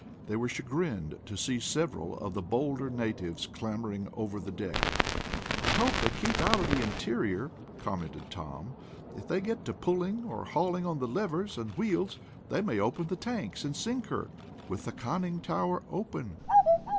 They were chagrined to see several of the bolder natives clambering over the deck. "I hope they keep out of the interior," commented Tom. "If they get to pulling or hauling on the levers and wheels they may open the tanks and sink her, with the Conning tower open."